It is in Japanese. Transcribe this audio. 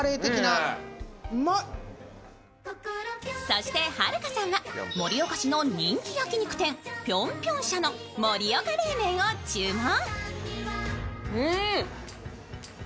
そしてはるかさんは盛岡市の人気焼き肉店、ぴょんぴょん舎の盛岡冷麺を注文。